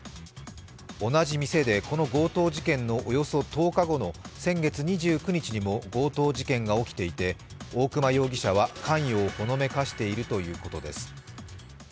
同じ店でこの強盗事件のおよそ１０日後の先月２９日にも強盗事件が起きていて、大熊容疑者は関与をほのめかしているということす。